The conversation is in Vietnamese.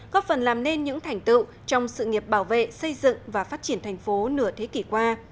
góp phần làm nên những thành tựu trong sự nghiệp bảo vệ xây dựng và phát triển thành phố nửa thế kỷ qua